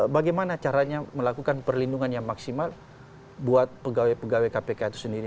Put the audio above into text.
bagaimana caranya melakukan perlindungan yang maksimal buat pegawai pegawai kpk itu sendiri